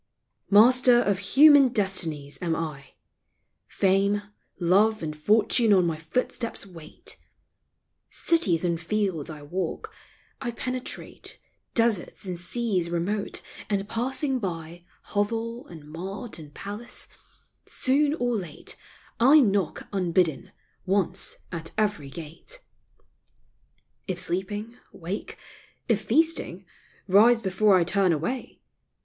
Master of human destinies am I. Fame, love, and fortune on my footsteps wait. Cities and fields I walk ; I penetrate Deserts and seas remote, and passing by Hovel, and mart, and palace — soon or late I knock unbidden once at every gate ! If sleeping, wake — if feasting, rise before I turn away.